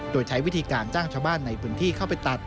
โดยใช้วิธีการจ้างชาวบ้านในพื้นที่เข้าไปตัด